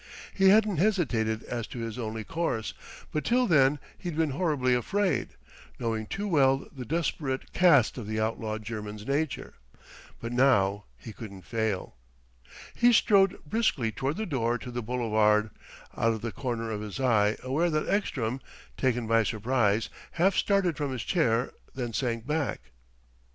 He hadn't hesitated as to his only course, but till then he'd been horribly afraid, knowing too well the desperate cast of the outlawed German's nature. But now he couldn't fail. He strode briskly toward the door to the boulevard, out of the corner of his eye aware that Ekstrom, taken by surprise, half started from his chair, then sank back.